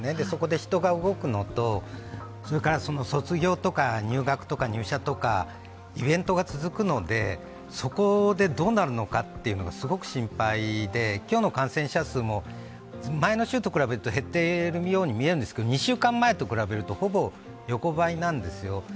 そこで人が動くのと卒業とか、入学とか、入社とかイベントが続くので、そこでどうなるかというのがすごく心配で、今日の感染者数も前の週と比べると減ってるように見えるんですけど２週間前と比べると、ほぼ横ばいなんですよ。